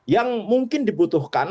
yang mungkin dibutuhkan